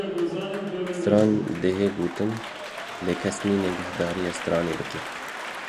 Sitran dihê gotin lê kes nîne guhdarîya sitranê bike